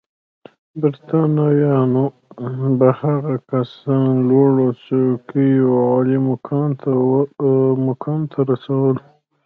برېټانویانو به هغه کسان لوړو څوکیو او عالي مقام ته رسول.